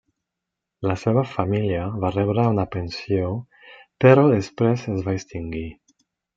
La seva família va rebre una pensió però després es va extingir.